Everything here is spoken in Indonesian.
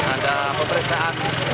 ada pemerintah api